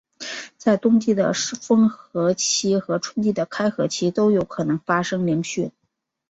在冬季的封河期和春季的开河期都有可能发生凌汛。